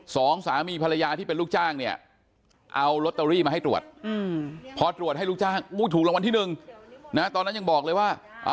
สองสามีภรรยาที่เป็นลูกจ้างเนี่ยเอาลอตเตอรี่มาให้ตรวจพอตรวจให้ลูกจ้างถูกรางวัลที่หนึ่งนะตอนนั้นยังบอกเลยว่า